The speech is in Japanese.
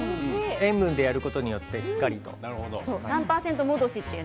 塩分でやることによってしっかりとできますね。